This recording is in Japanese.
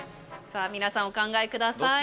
皆さんお考えください。